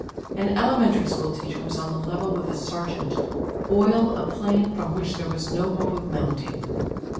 An elementary school teacher was on a level with a sergeant, oil a plane from which there was no hope of mounting.